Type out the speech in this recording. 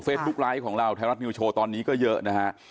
ไลค์ของเราไทยรัฐนิวโชว์ตอนนี้ก็เยอะนะฮะ